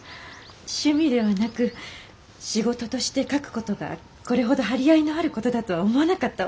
趣味ではなく仕事として書く事がこれほど張り合いのある事だとは思わなかったわ。